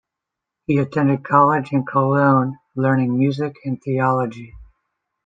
He attended college in Cologne, learning music and theology.